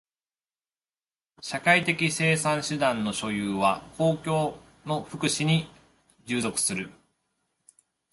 社会的生産手段の所有は公共の福祉に従属する。